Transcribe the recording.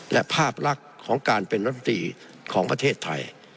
และภาพลักษณ์ของการเป็นรัฐมนตรีของประเทศไทย